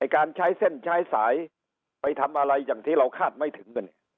การใช้เส้นใช้สายไปทำอะไรอย่างที่เราคาดไม่ถึงกัน